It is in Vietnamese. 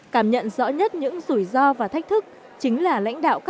cảm ơn các bạn đã theo dõi